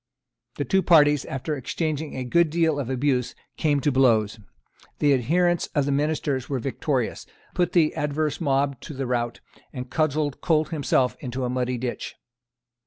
The two parties, after exchanging a good deal of abuse, came to blows. The adherents of the ministers were victorious, put the adverse mob to the rout, and cudgelled Colt himself into a muddy ditch.